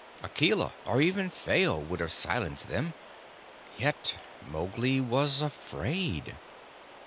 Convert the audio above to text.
Akela, or even Phao, would have silenced them; yet Mowgli was afraid.